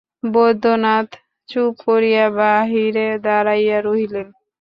বৈদ্যনাথ চুপ করিয়া বাহিরে দাঁড়াইয়া রহিলেন।